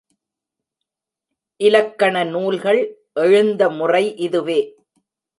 இலக்கண நூல்கள் எழுந்த முறை இதுவே.